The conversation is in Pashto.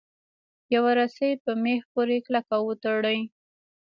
یوه رسۍ په میخ پورې کلکه وتړئ.